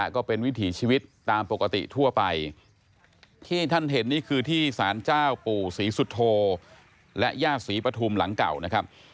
ก็เป็นวิถีชีวิตตามปกติทั่วไปที่ท่านเห็นนี่คือที่สารเจ้าปู่ศรีสุโธและย่าศรีปฐุมหลังเก่านะครับ